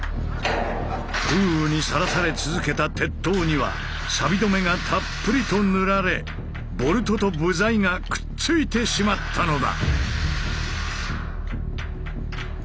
風雨にさらされ続けた鉄塔にはさび止めがたっぷりと塗られボルトと部材がくっついてしまったのだ。